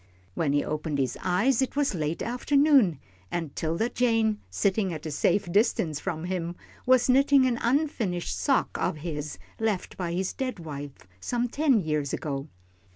When he opened his eyes, it was late afternoon, and 'Tilda Jane, sitting at a safe distance from him, was knitting an unfinished sock of his, left by his dead wife some ten years ago.